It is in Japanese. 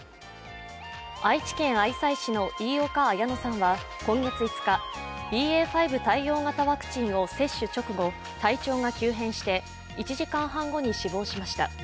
愛知県愛西市の飯岡綾乃さんは今月５日、ＢＡ．５対応型ワクチンを接種直後体調が急変して１時間半後に死亡しました。